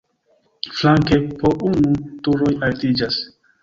Flanke po unu turoj altiĝas.